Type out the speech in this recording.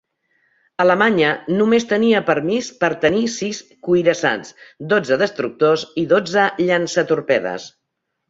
Alemanya només tenia permès tenir sis cuirassats, dotze destructors i dotze llançatorpedes.